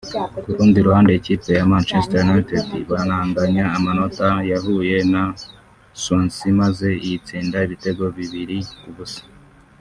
Ku rundi ruhande ikipe ya Manchester United bananganya amanota yahuye na Swansea maze iyitsinda ibitego bibiri kubusa